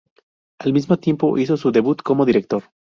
Al mismo tiempo, hizo su debut como director.